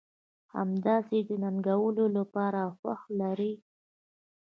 همداسې د ننګولو لپاره خوښه لرئ.